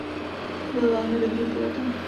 Byl velmi dobrým pilotem.